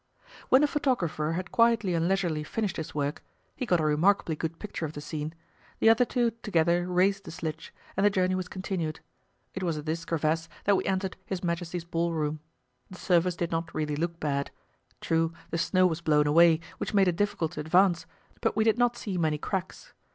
When the photographer had quietly and leisurely finished his work he got a remarkably good picture of the scene the other two together raised the sledge, and the journey was continued. It was at this crevasse that we entered his Majesty's Ballroom. The surface did not really look bad. True, the snow was blown away, which made it difficult to advance, but we did not see many cracks.